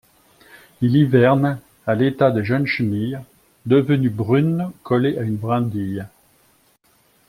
Il hiverne à l'état de jeune chenille, devenue brune, collée à une brindille.